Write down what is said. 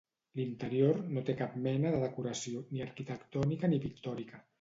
L'interior no té cap mena de decoració ni arquitectònica ni pictòrica.